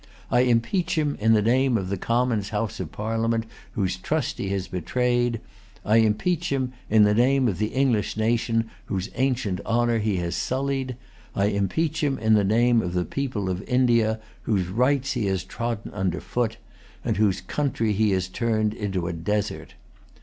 I impeach him in the name of the Commons' House of Parliament, whose trust he has betrayed. I impeach him in the name of the English nation, whose ancient honor he has sullied. I impeach him in the name of the people of India, whose[Pg 228] rights he has trodden under foot, and whose country he has turned into a desert.